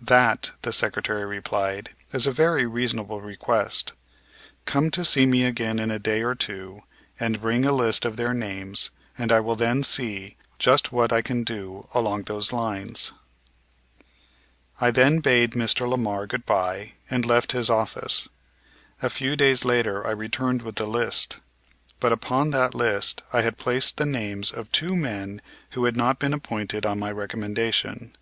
"That," the Secretary replied, "is a very reasonable request. Come to see me again in a day or two and bring a list of their names and I will then see just what I can do along those lines." I then bade Mr. Lamar good bye and left his office. A few days later I returned with the list. But upon that list I had placed the names of two men who had not been appointed on my recommendation.